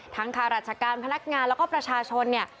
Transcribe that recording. ทั้งค่าราชการพนักงานแล้วก็ประชาชน